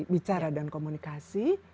bicara dan komunikasi